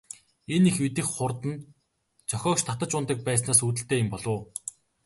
Энэ их идэвх хурд нь зохиогч татаж унадаг байснаас үүдэлтэй юм болов уу?